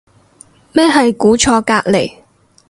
咩係估錯隔離